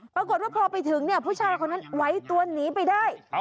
ปรากฏว่าพอไปถึงเนี่ยผู้ชายคนนั้นไว้ตัวหนีไปได้